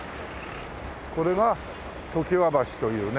これは常盤橋というね。